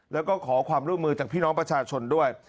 แล้วก็ขอความร่วมมือจากพี่น้องประชาชนด้วย